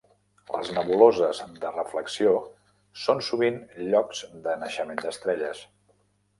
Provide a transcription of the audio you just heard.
Les nebuloses de reflexió són sovint llocs de naixement d'estrelles.